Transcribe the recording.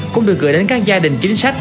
cũng được gửi đến các gia đình chính sách